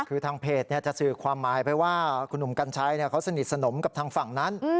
คือทางเพจจะสื่อความหมายไปว่าคุณหนุ่มกัญชัยเขาสนิทสนมกับทางฝั่งนั้น